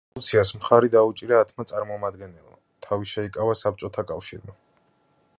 რეზოლუციას მხარი დაუჭირა ათმა წარმომადგენელმა; თავი შეიკავა საბჭოთა კავშირმა.